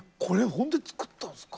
本当に作ったんですか？